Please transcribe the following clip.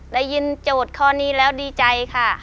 ได้ยินโจทย์ข้อนี้แล้วดีใจค่ะ